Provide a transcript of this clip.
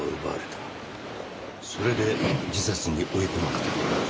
それで自殺に追い込まれた。